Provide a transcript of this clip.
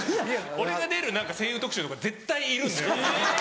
俺が出る声優特集とか絶対いるんで。